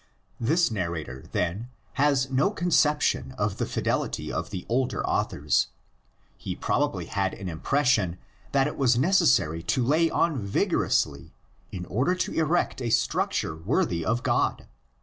This narrator, then, has no conception of the fidelity of the older authors; he probably had an impression that it was necessary to lay on vigorously in order to erect a structure worthy of God.